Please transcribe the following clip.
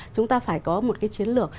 chúng ta phải có một cái chiến lược